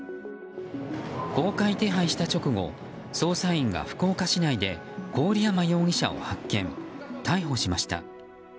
公開手配した直後、捜査員が福岡市内で郡山容疑者を発見、逮捕しました。